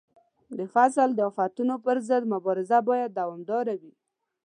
د فصل د آفتونو پر ضد مبارزه باید دوامداره وي.